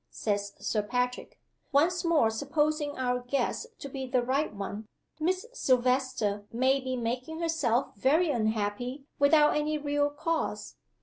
says Sir Patrick. 'Once more supposing our guess to be the right one, Miss Silvester may be making herself very unhappy without any real cause.